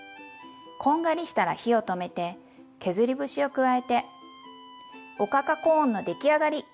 こんがりしたら火を止めて削り節を加えておかかコーンの出来上がり！